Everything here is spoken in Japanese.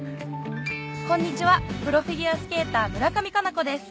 こんにちはプロフィギュアスケーター村上佳菜子です